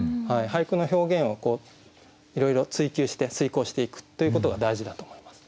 俳句の表現をいろいろ追究して推敲していくということが大事だと思います。